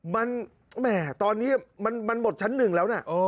มันแหม่ตอนนี้มันหมดชั้นหนึ่งแล้วนะ